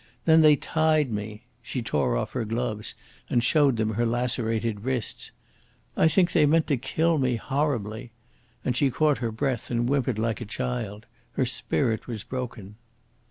Then they tied me." She tore off her gloves and showed them her lacerated wrists. "I think they meant to kill me horribly." And she caught her breath and whimpered like a child. Her spirit was broken.